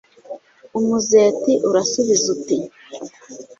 umuzeti urasubiza uti